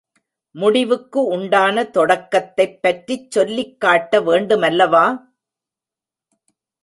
முடிவுக்கு உண்டான தொடக்கத்தைப் பற்றிச் சொல்லிக்காட்ட வேண்டுமல்லவா?